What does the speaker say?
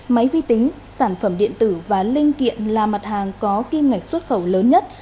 máy vi tính sản phẩm điện tử và linh kiện là mặt hàng có kim ngạch xuất khẩu lớn nhất